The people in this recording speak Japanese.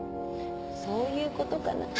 そういう事かな。